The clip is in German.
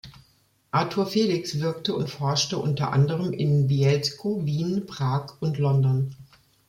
Arthur Felix wirkte und forschte unter anderem in Bielsko, Wien, Prag und London.